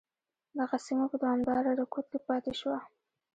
دغه سیمه په دوامداره رکود کې پاتې شوه.